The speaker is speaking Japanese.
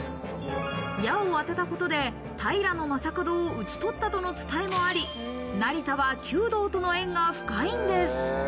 矢を当てたことで、平将門をうち取ったとの伝えもあり、成田は弓道との縁が深いんです。